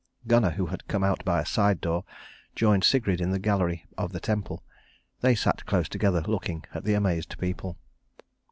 Gunnar, who had come out by a side door, joined Sigrid in the gallery of the temple. They sat close together looking at the amazed people.